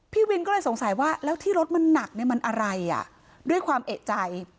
พี่วินก็เลยสงสัยว่าแล้วที่รถมันหนักเนี่ยมันอะไรอ่ะด้วยความเอกใจ